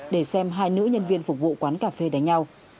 để xem hai nữ nhân viên phục vụ quán cà phê đánh nhau